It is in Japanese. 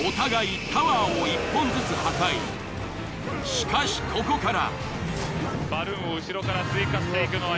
しかしここから。